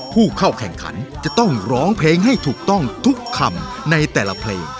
ผู้เข้าแข่งขันจะต้องร้องเพลงให้ถูกต้องทุกคำในแต่ละเพลง